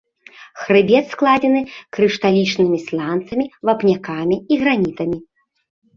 Хрыбет складзены крышталічнымі сланцамі, вапнякамі і гранітамі.